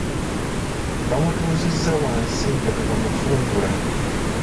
Baamutuuzizza wansi nga bwe bamufungula.